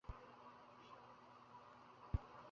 ঈশ্বরকে আমরা তিনভাবে ধারণা করিতে পারি।